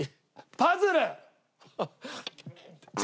パズル。